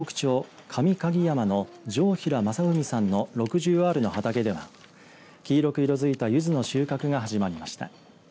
この時期、鬼北町上鍵山の城平正文さんの６０アールの畑では黄色く色づいたゆずの収穫が始まりました。